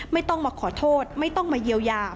ไม่ต้องมาขอโทษไม่ต้องมาเยียวยา